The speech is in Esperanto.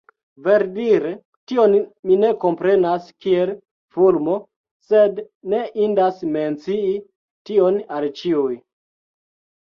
Verdire tion mi ne komprenas kiel fulmo, sed ne indas mencii tion al ĉiuj.